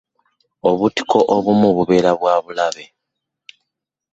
Obutiko obumu bubeera bwa bulabe!